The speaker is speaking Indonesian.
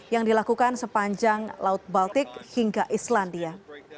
yang dilakukan sepanjang laut baltik hingga islandia